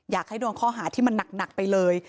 อยากให้โดนข้อหาที่มันหนักไปเลย